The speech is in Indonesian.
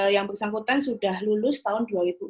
yang bersangkutan sudah lulus tahun dua ribu enam belas